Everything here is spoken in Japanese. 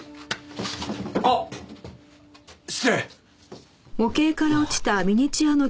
あっ失礼。